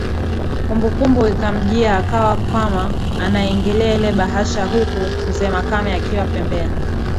Kumbukumbu ikamjia akawa kama anaiangalia ile bahasha huku mze Makame akiwa pembeni